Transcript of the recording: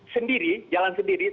sendiri jalan sendiri